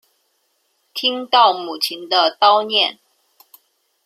听到母亲的叨念